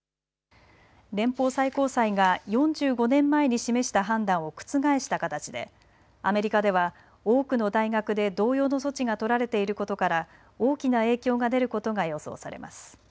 連邦最高裁が４５年前に示した判断を覆した形でアメリカでは多くの大学で同様の措置が取られていることから大きな影響が出ることが予想されます。